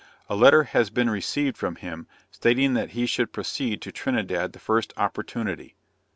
A letter has been received from him, stating that he should proceed to Trinidad the first opportunity.